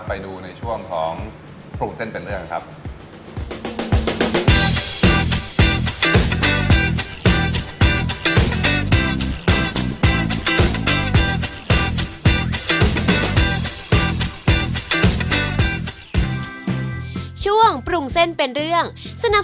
ไปดูในช่วงของปรุงเส้นเป็นเรื่องครับ